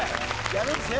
やるんですね？